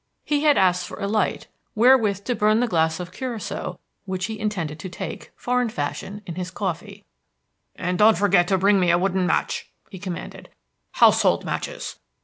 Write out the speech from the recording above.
He had asked for a light, wherewith to burn the glass of Curacoa which he intended to take, foreign fashion, in his coffee. "And don't forget to bring me a wooden match," he commanded. "Household matches.